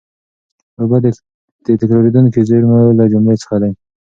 اوبه د تکرارېدونکو زېرمونو له جملې څخه دي.